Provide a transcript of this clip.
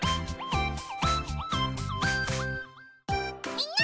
みんな！